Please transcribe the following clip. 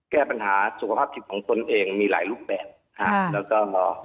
แก้ปัญหาสุขภาพจิตของตนเองมีหลายรูปแบบฮะแล้วก็